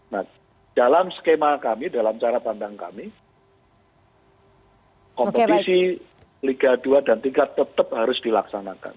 nah dalam skema kami dalam cara pandang kami kompetisi liga dua dan tiga tetap harus dilaksanakan